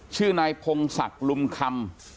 ชื่อนายพงศักดิ์ลุมคำ